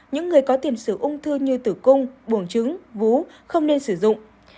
những người có tiền sử ung thư như tử cung buồng trứng vú không nên sử dụng